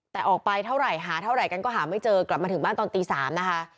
แต่ออกไปเท่าไหร่หาเท่าไหร่กันก็หาไม่เจอกลับมาถึงบ้านตอนตี๓นะคะ